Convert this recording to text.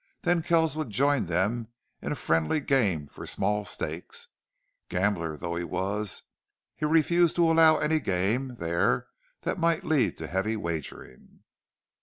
Then Kells would join them in a friendly game for small stakes. Gambler though he was, he refused to allow any game there that might lead to heavy wagering.